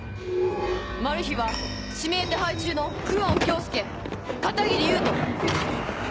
マルヒは指名手配中の久遠京介片桐優斗。